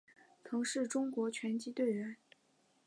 曾是中国拳击队员。